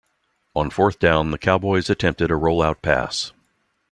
On fourth down, the Cowboys attempted a rollout pass.